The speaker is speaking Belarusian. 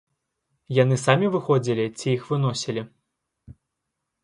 Яны самі выходзілі ці іх выносілі?